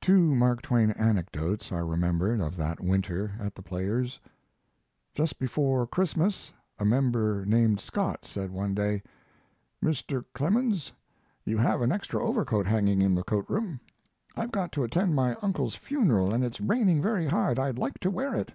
[Two Mark Twain anecdotes are remembered of that winter at The Players: Just before Christmas a member named Scott said one day: "Mr. Clemens, you have an extra overcoat hanging in the coatroom. I've got to attend my uncle's funeral and it's raining very hard. I'd like to wear it."